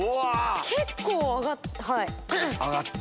結構上がった。